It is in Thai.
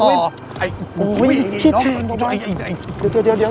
โอ้ยพี่แทง